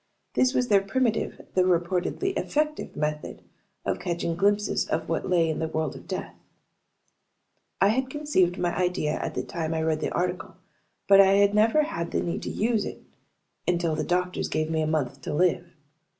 This was their primitive, though reportedly effective method of catching glimpses of what lay in the world of death. I had conceived my idea at the time I read the article, but I had never had the need to use it until the doctors gave me a month to live.